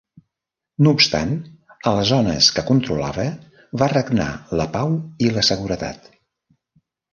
No obstant a les zones que controlava va regnar la pau i la seguretat.